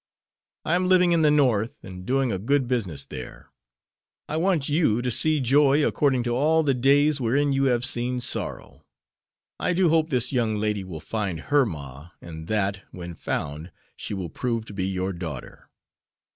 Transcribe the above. I am living in the North, and doing a good business there. I want you to see joy according to all the days wherein you have seen sorrow. I do hope this young lady will find her ma and that, when found, she will prove to be your daughter!"